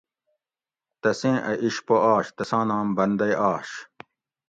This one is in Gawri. تسیں اۤ اِشپو آش تساں نام بندئی آش